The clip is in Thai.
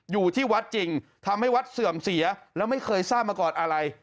อยู่ที่วัดจริงทำให้วัดเสื่อมเสียแล้วไม่เคยทราบมาก่อนอะไร